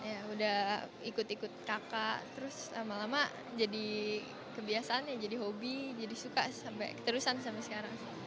ya udah ikut ikut kakak terus lama lama jadi kebiasaan ya jadi hobi jadi suka sampai keterusan sampai sekarang